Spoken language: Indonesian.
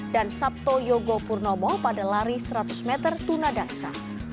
dan sabto yogo purnomo pada lari seratus meter tuna daksa